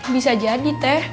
bisa jadi teh